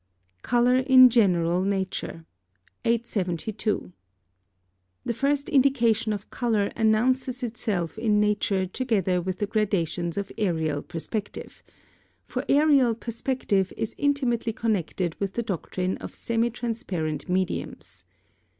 COLOUR IN GENERAL NATURE. 872. The first indication of colour announces itself in nature together with the gradations of aërial perspective; for aërial perspective is intimately connected with the doctrine of semi transparent mediums.